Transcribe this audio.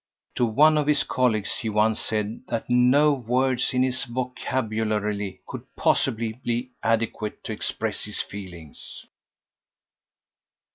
To one of his colleagues he once said that no words in his vocabulary could possibly be adequate to express his feelings.